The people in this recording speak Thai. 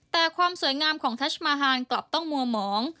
แต่ความสวยงามของทัชมาฮานกลับต้องมัวหมอง